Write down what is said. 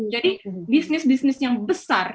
jadi bisnis bisnis yang besar